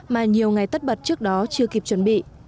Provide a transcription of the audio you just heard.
mà nhiều ngày tất bật trước đó chưa kịp chuẩn bị